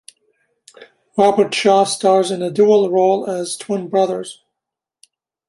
Robert Shaw stars in a dual role as twin brothers.